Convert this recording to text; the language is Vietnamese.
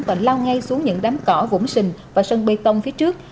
và lao ngay xuống những đám cỏ vũng xình và sân bê tông phía trước